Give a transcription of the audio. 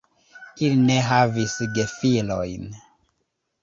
Ili ne havis gefilojn.